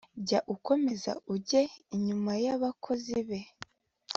jya ukomeza ujye inyuma y'abakozi be